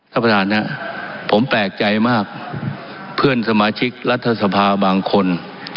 ท่านประธานนะผมแปลกใจมากเพื่อนสมาชิกรัฐสภาบางคน